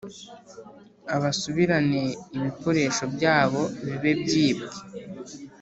abasubirane ibikoresho byabo biba byibwe